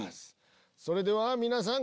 それでは皆さん